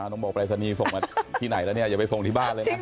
น้องบอกปริศนีส่งมาที่ไหนแล้วอย่าไปส่งที่บ้านเลยนะ